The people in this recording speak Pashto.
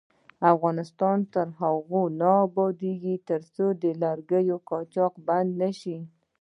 افغانستان تر هغو نه ابادیږي، ترڅو د لرګیو قاچاق بند نشي.